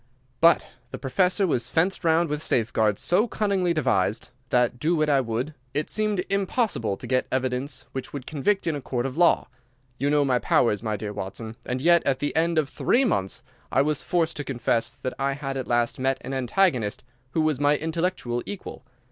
"But the Professor was fenced round with safeguards so cunningly devised that, do what I would, it seemed impossible to get evidence which would convict in a court of law. You know my powers, my dear Watson, and yet at the end of three months I was forced to confess that I had at last met an antagonist who was my intellectual equal.